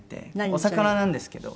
お魚なんですけど。